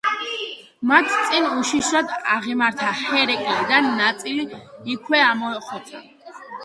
მათ წინ უშიშრად აღიმართა ჰერაკლე და ნაწილი იქვე ამოხოცა.